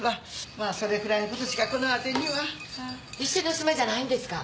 まぁそれくらいのことしかこのわてには。一緒にお住まいじゃないんですか？